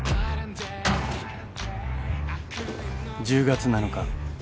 ［１０月７日］